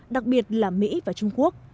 đặc biệt là mỹ và trung quốc